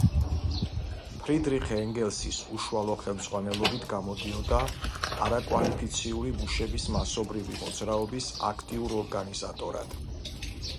ფრიდრიხ ენგელსის უშუალო ხელმძღვანელობით გამოდიოდა არაკვალიფიციური მუშების მასობრივი მოძრაობის აქტიურ ორგანიზატორად.